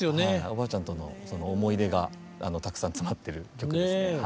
おばあちゃんとのその思い出がたくさん詰まってる曲ですね。